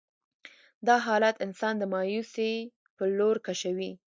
دا حالات انسان د مايوسي په لور کشوي.